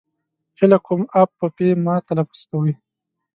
هیله کوم اف په پي مه تلفظ کوی!